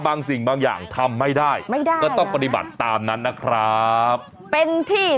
สิ่งบางอย่างทำไม่ได้ไม่ได้ก็ต้องปฏิบัติตามนั้นนะครับเป็นที่